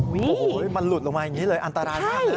มันหลุดลงมาอย่างนี้เลยอันตรายมากนะ